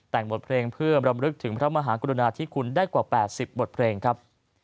แต่งบทเพลงเพื่อรำลึกถึงพระมหากรุณาธิคุณได้กว่า๘๐บทเพลงครับ